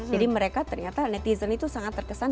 jadi mereka ternyata netizen itu sangat terkesan